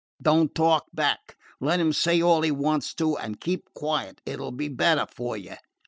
"Don't talk back. Let him say all he wants to, and keep quiet. It 'll be better for you."